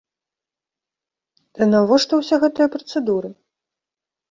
Ды навошта ўсе гэтыя працэдуры?